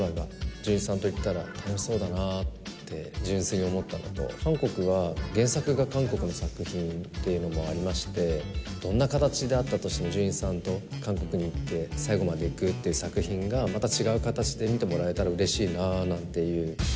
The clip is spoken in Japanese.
准一さんと行ったら楽しそうだなって、純粋に思ったのと、韓国は原作が韓国の作品っていうのもありまして、どんな形であったとしても、准一さんと韓国に行って、最後まで行くっていう作品が、また違う形で見てもらえたらうれしいなぁなんていう。